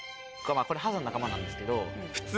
これハゼの仲間なんですけど。